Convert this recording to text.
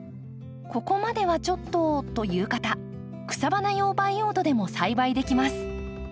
ここまではちょっとという方草花用培養土でも栽培できます。